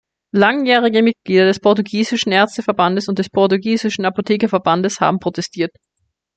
Langjährige Mitglieder des portugiesischen Ärzteverbandes und des portugiesischen Apothekerverbandes haben protestiert.